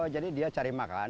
jadi dia cari makan